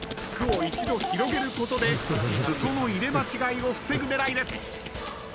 服を一度広げることで裾の入れ間違いを防ぐ狙いです。